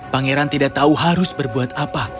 pangeran tidak tahu harus berbuat apa